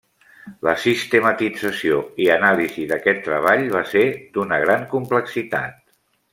La sistematització i anàlisi d'aquest treball va ser d'una gran complexitat.